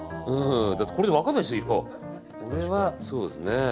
これじゃ分からないでしょ、色。